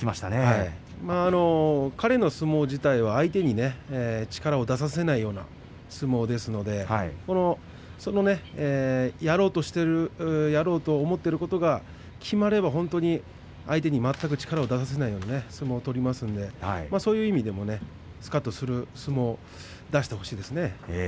彼の相撲自体は相手に力を出させないような相撲ですのでそのやろうとしているやろうと思っていることがきまれば本当に相手に全く力を出させないような相撲を取りますのでそういう意味でもすかっとする相撲を出してほしいですね。